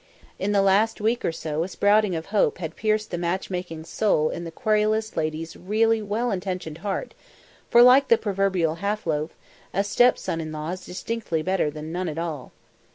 In the last week or so a sprouting of hope had pierced the matchmaking soil in the querulous lady's really well intentioned heart, for, like the proverbial half loaf, a step son in law is distinctly better than none at all.